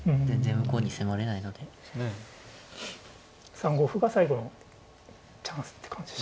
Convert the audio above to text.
３五歩が最後のチャンスって感じでしたかね。